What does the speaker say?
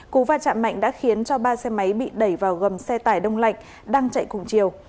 cú va chạm mạnh đã khiến cho ba xe máy bị đẩy vào gầm xe tải đông lạnh đang chạy cùng chiều